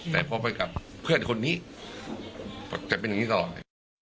แต่พอไปกับเพื่อนคนนี้จะเป็นอย่างนี้ตลอด